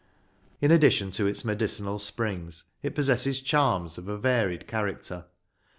In addition to its medicinal springs, it possesses charms of a varied character.